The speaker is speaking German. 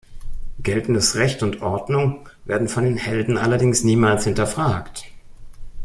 Geltendes Recht und Ordnung werden von den Helden allerdings niemals hinterfragt.